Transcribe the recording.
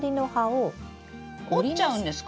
折っちゃうんですか？